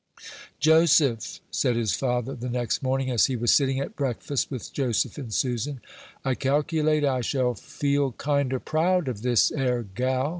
"Joseph!" said his father, the next morning, as he was sitting at breakfast with Joseph and Susan, "I calculate I shall feel kinder proud of this 'ere gal!